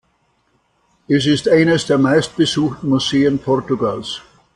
Es ist eines der meistbesuchten Museen Portugals.